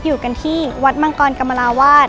อยู่กันที่วัดมังกรกรรมราวาส